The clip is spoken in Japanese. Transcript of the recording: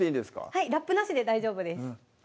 はいラップなしで大丈夫です